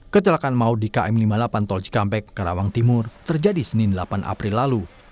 kecelakaan maut di km lima puluh delapan tol cikampek karawang timur terjadi senin delapan april lalu